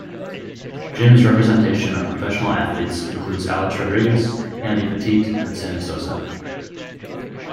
Jim's representation of professional athletes includes Alex Rodriguez, Andy Pettitte and Sammy Sosa.